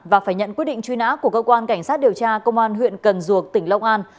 và phải nhận quyết định truy nã của cơ quan cảnh sát điều tra công an huyện cần duộc tỉnh long an